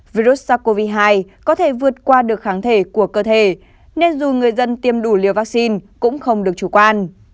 virus sars cov hai có thể vượt qua được kháng thể của cơ thể nên dù người dân tiêm đủ liều vaccine cũng không được chủ quan